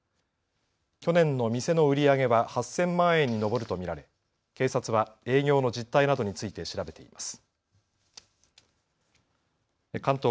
去年の店の売り上げは８０００万円に上ると見られ警察は営業の実態などについて調べています。